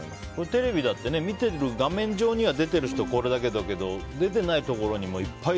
テレビだって、見ている画面上に出てる人はこれだけだけど出てないところにも、いっぱい。